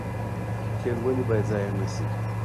تیل ولې باید ضایع نشي؟